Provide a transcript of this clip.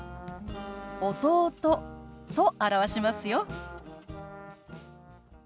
「弟」と表しますよ。